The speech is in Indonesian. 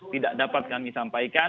tidak dapat kami sampaikan